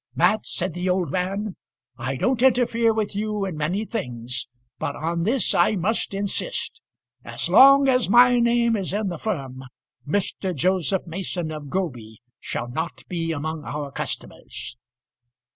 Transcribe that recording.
"Mat," said the old man, "I don't interfere with you in many things, but on this I must insist. As long as my name is in the firm Mr. Joseph Mason of Groby shall not be among our customers."